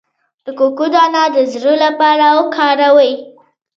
د کوکو دانه د زړه لپاره وکاروئ